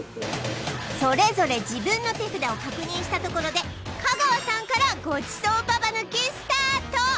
それぞれ自分の手札を確認したところで香川さんからごちそうババ抜きスタート！